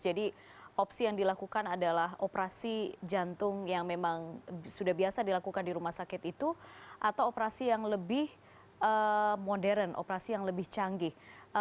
jadi opsi yang dilakukan adalah operasi jantung yang memang sudah biasa dilakukan di rumah sakit itu atau operasi yang lebih modern operasi yang lebih canggih